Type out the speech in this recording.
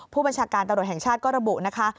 ผู้บัญชาการตำรวจแห่งชาติก็ระบุนะคะ